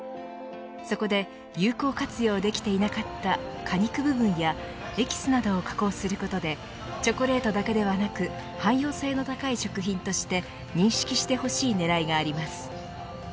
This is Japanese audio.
そこで有効活用できていなかった果肉部分やエキスなどを加工することでチョコレートだけでなく汎用性の高い食品として認識してほしい狙いがあります。